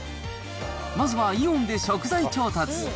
まずは、イオンで食材調達。